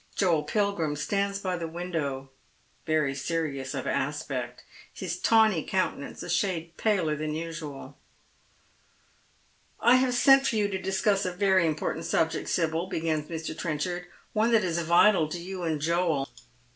Joel Pilgrim stands by the ^^andow, very serious of aspect, hia tawny countenance a shade paler than usual. " I have sent for you to discuss a very important subject, Sibyl," begins Mr. Trenchard —" one that is vital to you and Joel."